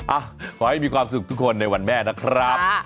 อ่ะขอให้มีความสุขทุกคนในวันแม่นะครับ